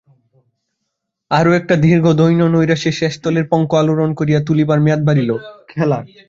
আরো একটা দীর্ঘ দিন নৈরাশ্যের শেষতলের পঙ্ক আলোড়ন করিয়া তুলিবার মেয়াদ বাড়িল।